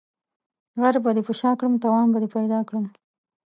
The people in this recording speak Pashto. غر به دي په شاکړم ، توان به دي پيدا کړم.